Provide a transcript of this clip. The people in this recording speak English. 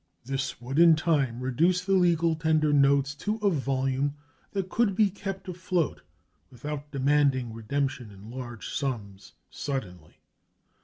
This would in time reduce the legal tender notes to a volume that could be kept afloat without demanding redemption in large sums suddenly.